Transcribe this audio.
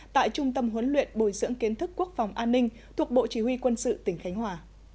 tại trung tâm huấn luyện bồi dưỡng kiến thức quốc phòng an ninh thuộc bộ chỉ huy quân sự tỉnh khánh hòa